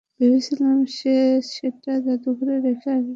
ভেবেছিলামা সে সেটা যাদুঘরে রেখে আসবে।